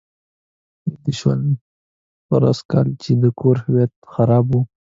هېر دې شول پروسږ کال چې د کور هیټ خراب و.